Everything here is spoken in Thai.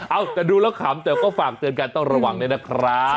เอ้าแต่ดูแล้วขำเดี๋ยวก็ฝากเตือนการตอนระหว่างนี้นะครับ